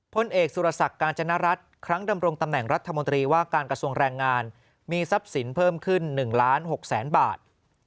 พลเอกสุรศักดิ์การจนรัฐครั้งดำรงตำแหน่งรัฐมนตรีว่าการกระทรวงแรงงานมีทรัพย์สินเพิ่มขึ้น๑ล้าน๖แสนบาท